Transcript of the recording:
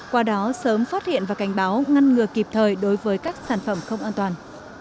qua đó sớm phát hiện và cảnh báo ngăn ngừa kịp thời đối với các sản phẩm không an toàn